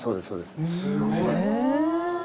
すごい。